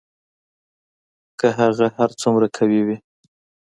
که هغه هر څومره قوي وي